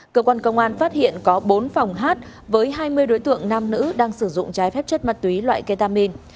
cơ quan công an phát hiện có bốn phòng hát với hai mươi đối tượng nam nữ đang sử dụng trái phép chất ma túy loại ketamin